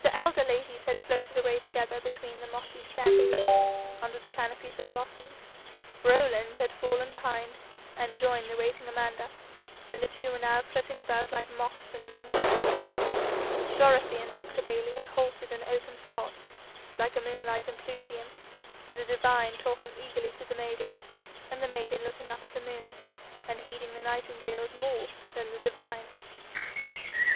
The elder ladies had floated away together between the mossy stems, under the canopies of blossoms; Rowland had fallen behind and joined the waiting Amanda, and the two were now flitting about like moths in the moonshine; Dorothy and Dr. Bayly had halted in an open spot, like a moonlight impluvium, the divine talking eagerly to the maiden, and the maiden looking up at the moon, and heeding the nightingales more than the divine.